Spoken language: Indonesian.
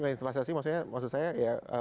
investasi maksud saya ya